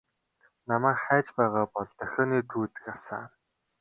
Намайг хайж байгаа бол дохионы түүдэг асаана.